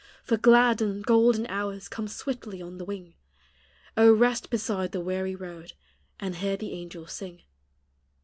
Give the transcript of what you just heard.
for glad and golden hours Come swiftly on the wing; O, rest beside the weary road, And hear the angels sing.